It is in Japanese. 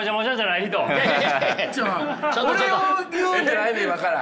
俺を言うんじゃないの今から。